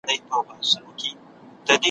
د اجل د ساقي ږغ ژوندون ته دام وو `